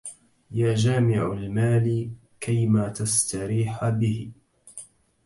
يا جامع المال كيما تستريح به